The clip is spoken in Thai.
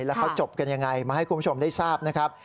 แล้วเขาจบกันยังไงมาให้คุณผู้ชมได้ทราบนะครับ